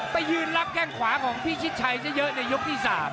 ไปยืนรับแข้งขวาของพี่ชิดชัยเยอะในยกที่๓